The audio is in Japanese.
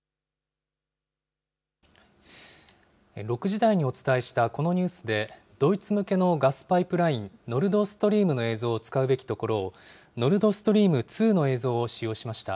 ６時台にお伝えした、このニュースで、ドイツ向けのガスパイプライン、ノルドストリームの映像を使うべきところを、ノルドストリーム２の映像を使用しました。